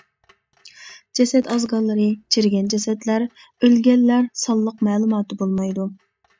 جەسەت ئازگاللىرى، چىرىگەن جەسەتلەر، ئۆلگەنلەر سانلىق مەلۇماتى بولمايدۇ.